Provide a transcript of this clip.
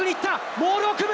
モールを組む！